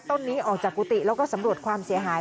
ต้นนี้ออกจากกุฏิแล้วก็สำรวจความเสียหาย